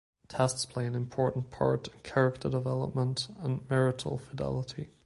Tests play an important part in character development and marital fidelity.